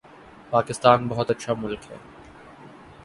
پاکستان بہت اچھا ملک ہے